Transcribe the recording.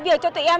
việc cho tụi em